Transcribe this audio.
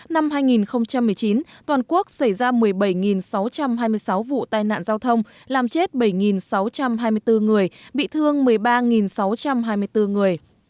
năm hai nghìn một mươi chín toàn quốc xảy ra một mươi bảy sáu trăm hai mươi sáu vụ tai nạn giao thông làm chết bảy sáu trăm hai mươi bốn người bị thương một mươi ba sáu trăm hai mươi bốn người